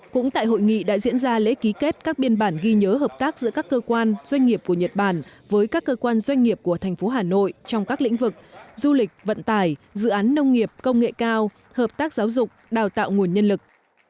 cũng tại hội nghị đã diễn ra lễ ký kết các biên bản ghi nhớ hợp tác giữa các cơ quan doanh nghiệp của nhật bản với các cơ quan doanh nghiệp của thành phố hà nội trong các lĩnh vực du lịch vận tải dự án nông nghiệp công nghệ cao hợp tác giáo dục đào tạo nguồn nhân lực